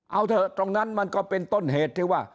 เอาเถอะตรงนั้นมันก็เป็นต้นเหตุที่ว่า